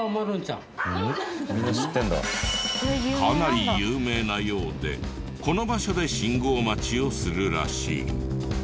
かなり有名なようでこの場所で信号待ちをするらしい。